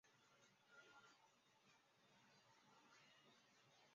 巴林的大部分岛屿位于波斯湾内的浅水湾巴林湾内。